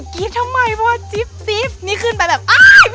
กิดทำไมว่าจิ๊บนี่ขึ้นไปแบบอ้าวพี่ค่ะใจเย็นก่อน